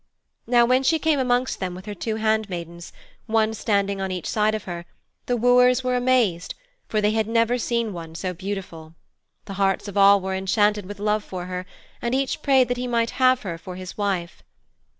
Now when she came amongst them with her two handmaidens, one standing each side of her, the wooers were amazed, for they had never seen one so beautiful. The hearts of all were enchanted with love for her, and each prayed that he might have her for his wife.